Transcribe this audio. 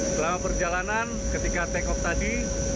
selama perjalanan ketika take off tadi